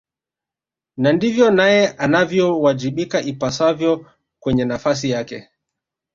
na ndivyo naye anavyowajibika ipasavyo kwenye nafasi yake